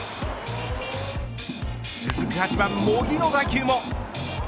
続く８番茂木の打球も。